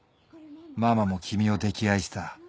ママも君を溺愛した。